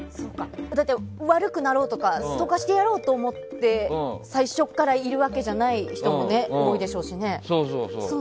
悪くなろうとかストーカーしてやろうと思って最初からいるわけじゃない人も多いでしょうしね。